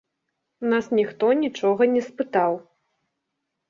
У нас ніхто нічога не спытаў.